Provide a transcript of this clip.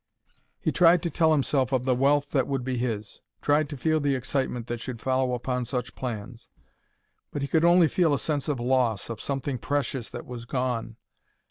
He tried to tell himself of the wealth that would be his; tried to feel the excitement that should follow upon such plans. But he could only feel a sense of loss, of something precious that was gone.